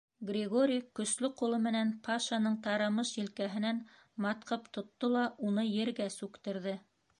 Григорий көслө ҡулы менән Пашаның тарамыш елкәһенән матҡып тотто ла уны ергә сүктерҙе.